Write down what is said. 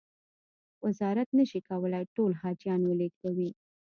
وزارت نه شي کولای ټول حاجیان و لېږدوي.